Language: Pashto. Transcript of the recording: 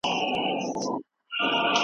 کورني حیوانات باید واکسین شي.